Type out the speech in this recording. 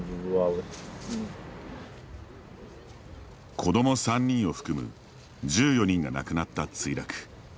子供３人を含む１４人が亡くなった墜落。